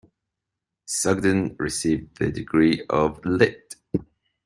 Sugden received the degree of Litt.